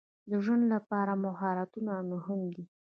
د ژوند لپاره مهارتونه مهم دي.